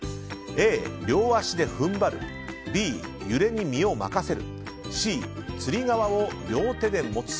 Ａ、両足で踏ん張るＢ、揺れに身を任せるＣ、つり革を両手で持つ。